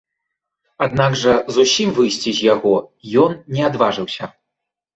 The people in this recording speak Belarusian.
Аднак жа зусім выйсці з яго ён не адважыўся.